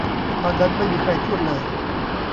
ตอนนั้นไม่มีใครพูดเลย